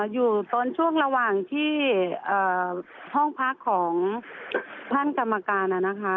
อยู่ตอนช่วงระหว่างที่ห้องพักของท่านกรรมการนะคะ